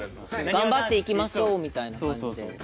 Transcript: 「頑張っていきましょう」みたいな感じで。